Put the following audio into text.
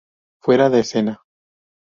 Fuera de Escena!.